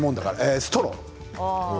ストロー？